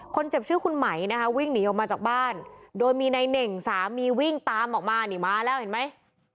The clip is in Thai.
คนเจ็บชื่อคุณไหมนะคะวิ่งหนีออกมาจากบ้านโดยมีนายเน่งสามีวิ่งตามออกมานี่มาแล้วเห็นไหม